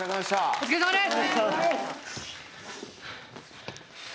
お疲れさまです。